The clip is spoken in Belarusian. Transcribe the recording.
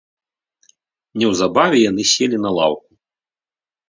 Неўзабаве яны селі на лаўку.